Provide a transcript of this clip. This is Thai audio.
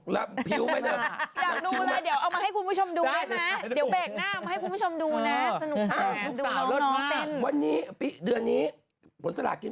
แล้วผิวไม่เดิม